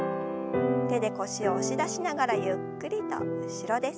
手で腰を押し出しながらゆっくりと後ろです。